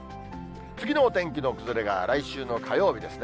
次のお天気の崩れが来週の火曜日ですね。